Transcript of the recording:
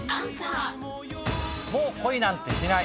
もう恋なんてしない。